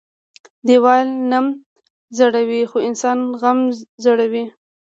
ديوال نم زړوى خو انسان غم زړوى.